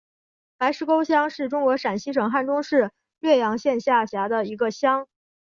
白石沟乡是中国陕西省汉中市略阳县下辖的一个乡。